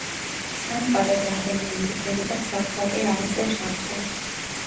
სამყარო და ადამიანური გონება ცალ-ცალკე არ იწვევს აბსურდს.